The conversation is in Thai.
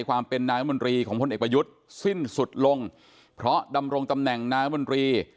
ความเป็นนายมนตรีของพลเอกประยุทธ์สิ้นสุดลงเพราะดำรงตำแหน่งนายมนตรี